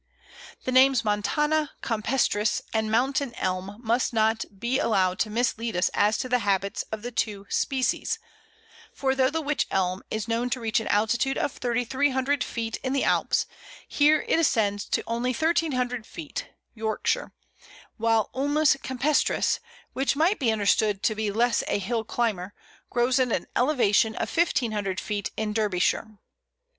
] The names montana, campestris, and Mountain Elm must not be allowed to mislead us as to the habits of the two species, for though the Wych Elm is known to reach an altitude of 3300 feet in the Alps, here it ascends only to 1300 feet (Yorks.), whilst Ulmus campestris, which might be understood to be less a hill climber, grows at an elevation of 1500 feet in Derbyshire.